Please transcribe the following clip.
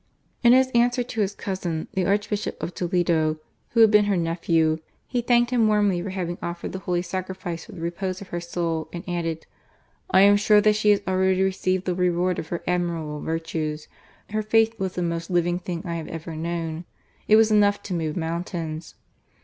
In his answer to his cousin, the Archbishop of Toledo, who had been her nephew, he thanked him warmly for having offered the Holy Sacrifice for the repose of her soul, and added :" I am sure that she has already received the reward of her admirable virtues. Her faith was the most living thing I have ever known ; it was enough to move mountains.